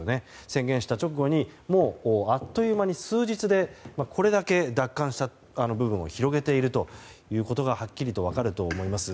宣言した直後にあっという間に数日でこれだけ奪還した部分を広げていることがはっきりと分かると思います。